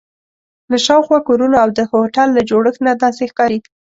له شاوخوا کورونو او د هوټل له جوړښت نه داسې ښکاري.